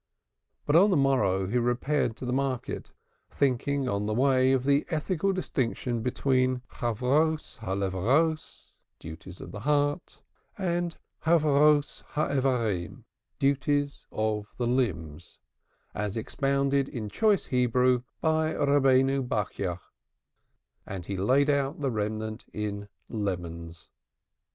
But on the morrow he repaired to the Market, thinking on the way of the ethical distinction between "duties of the heart" and "duties of the limbs," as expounded in choice Hebrew by Rabbenu Bachja, and he laid out the remnant in lemons.